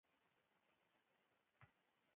پاک چاپېریال د پیرودونکو جذب زیاتوي.